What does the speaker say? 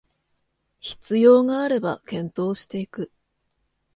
必要があれば検討していく